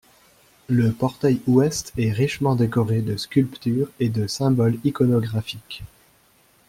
Le portail ouest est richement décoré de sculptures et de symboles iconographiques.